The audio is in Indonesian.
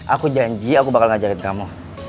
aku janji aku bakal ngajarin kamu